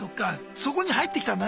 そこに入ってきたんだね？